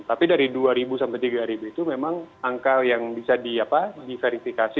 tapi dari dua sampai tiga itu memang angka yang bisa diverifikasi